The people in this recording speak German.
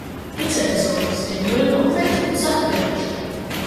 Bitte entsorgen Sie den Müll umwelt- und sachgerecht.